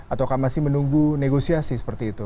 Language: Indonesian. atau masih menunggu negosiasi seperti itu